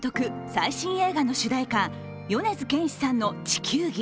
最新映画の主題歌、米津玄師さんの「地球儀」。